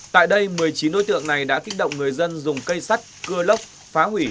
tại đây một mươi chín đối tượng này đã kích động người dân dùng cây sắt cưa lốc phá hủy